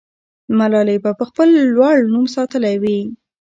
ملالۍ به خپل لوړ نوم ساتلی وي.